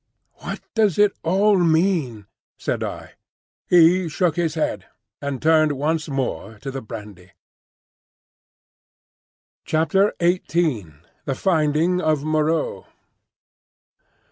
"What does it all mean?" said I. He shook his head, and turned once more to the brandy. XVIII. THE FINDING OF MOREAU.